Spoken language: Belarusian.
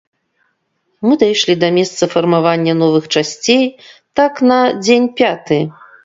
Мы дайшлі да месца фармавання новых часцей так на дзень пяты.